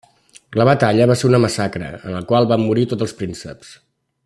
La batalla va ser una massacre, en la qual van morir tots els prínceps.